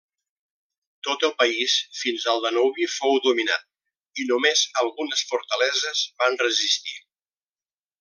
Tot el país fins al Danubi fou dominat i només algunes fortaleses van resistir.